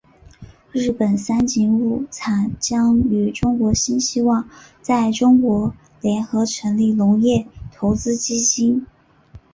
日本三井物产将与中国新希望在中国联合成立农业投资基金。